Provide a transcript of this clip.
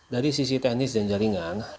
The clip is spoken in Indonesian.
dari sisi teknis dan jaringan